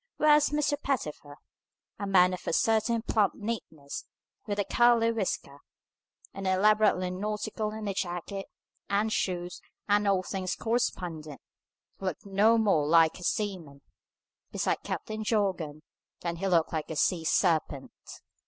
Whereas Mr. Pettifer a man of a certain plump neatness, with a curly whisker, and elaborately nautical in a jacket, and shoes, and all things correspondent looked no more like a seaman, beside Captain Jorgan, than he looked like a sea serpent.